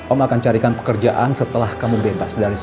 om akan carikan pekerjaan setelah kamu bebas dari sini